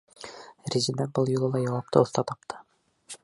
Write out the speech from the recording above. Резеда был юлы ла яуапты оҫта тапты.